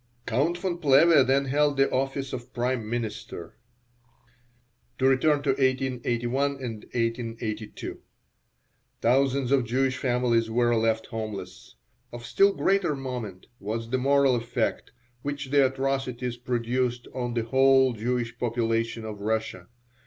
Count von Plehve then held the office of Prime Minister. To return to 1881 and 1882. Thousands of Jewish families were left homeless. Of still greater moment was the moral effect which the atrocities produced on the whole Jewish population of Russia.